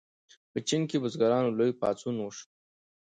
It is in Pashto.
په چین کې د بزګرانو لوی پاڅون وشو.